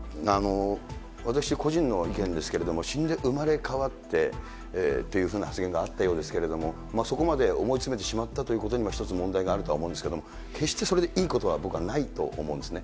私個人の意見ですけれども、死んで生まれ変わってっていうふうな発言があったようですけれども、そこまで思い詰めてしまったということにも、ひとつ問題があるとは思うんですけれども、決してそれでいいことは、僕はないと思うんですね。